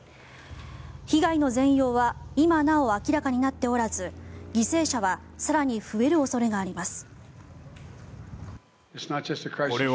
被害の全容は今なお明らかになっておらず犠牲者は更に増える恐れがあります。